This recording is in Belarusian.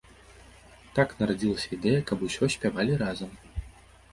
Так нарадзілася ідэя, каб усё спялі разам.